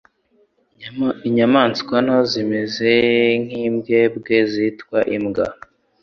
Inyamaswa nto zimeze nk'imbwebwe zitwa imbwa